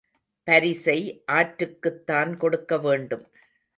பரிசை ஆற்றுக்குத் தான் கொடுக்க வேண்டும்!